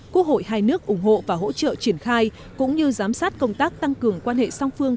quốc hội hai nước ủng hộ và hỗ trợ triển khai cũng như giám sát công tác tăng cường quan hệ song phương